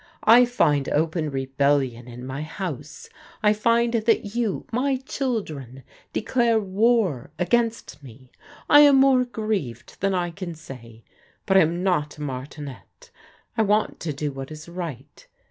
" I find open re bellion in my house. I find that you, my children, declare war against me. I am more grieved than I can say: but I am not a martinet I ¥rant to do what is right.